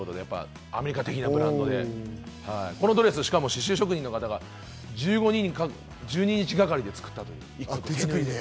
アメリカ的なブランドでこのドレス、しかも刺繍職人の方が１５人、１２日がかりで作ったんです。